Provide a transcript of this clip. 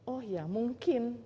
oh ya mungkin